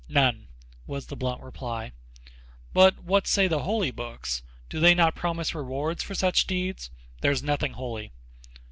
"None," was the blunt reply. "But what say the holy books? Do they not promise rewards for such deeds?" "There is nothing holy."